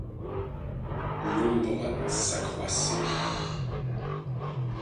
L’ombre s’accroissait.